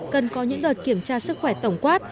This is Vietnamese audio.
cần có những đợt kiểm tra sức khỏe tổng quát